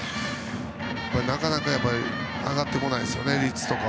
なかなか上がってこないですよね、率とか。